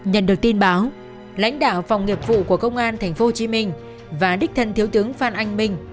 nhận được tin báo lãnh đạo phòng nghiệp vụ của công an tp hcm và đích thân thiếu tướng phan anh minh